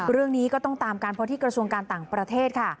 เรื่องนี้ก็ต้องตามกันเพราะที่กระทรวงการต่างประเทศค่ะ